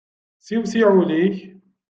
Siwsiɛ ul-ik.